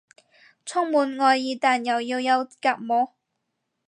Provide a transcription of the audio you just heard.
充滿愛意但又要有隔膜